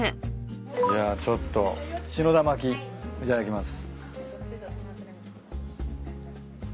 じゃあちょっとしのだまきいただきます。